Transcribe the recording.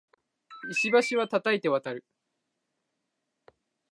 石橋は叩いて渡る